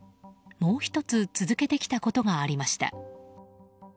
もう１つ続けてきたことがありました。